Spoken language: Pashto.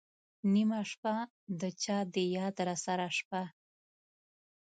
نېمه شپه ، د چا د یاد راسره شپه